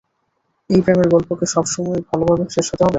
এই প্রেমের গল্প কি সবসময়ই ভালোভাবে শেষ হতে হবে?